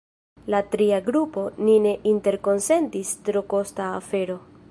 La tria grupo: “Ni ne interkonsentis – tro kosta afero!